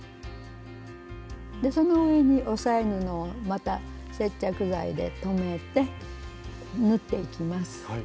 その上に押さえ布をまた接着剤で留めて縫っていきます。